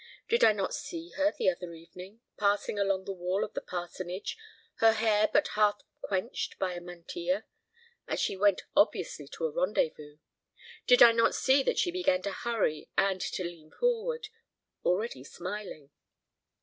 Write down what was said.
Did I not see her the other evening, passing along the wall of the parsonage, her hair but half quenched by a mantilla, as she went obviously to a rendezvous? Did I not see that she began to hurry and to lean forward, already smiling?